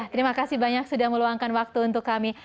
terima kasih banyak sudah meluangkan waktu untuk kami